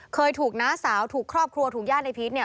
เขาถูกข้อบครัวเนื้อแย่นให้พีช